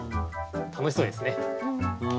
楽しそうですね。